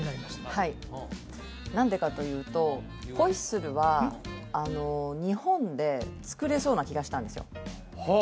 はい何でかというとホイッスルは日本で作れそうな気がしたんですよは